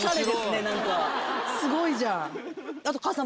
すごいじゃん。